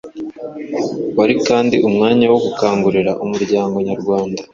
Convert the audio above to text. Wari kandi umwanya wo gukangurira umuryango nyarwanda